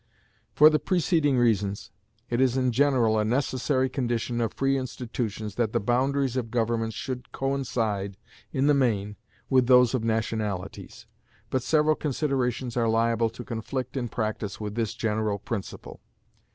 For the preceding reasons, it is in general a necessary condition of free institutions that the boundaries of governments should coincide in the main with those of nationalities. But several considerations are liable to conflict in practice with this general principle.